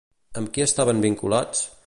Amb qui estaven vinculats?